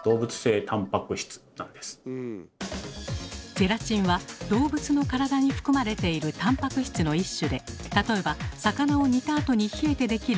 ゼラチンは動物の体に含まれているたんぱく質の一種で例えば魚を煮たあとに冷えて出来る煮こごり。